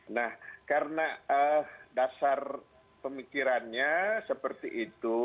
nah karena dasar pemikirannya seperti itu